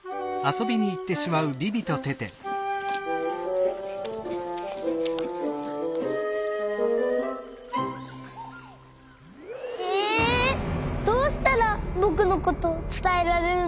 どうしたらぼくのことつたえられるの？